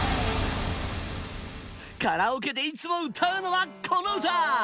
カラオケでいつも歌うのはこの歌。